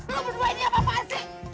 lu berdua ini apa apaan sih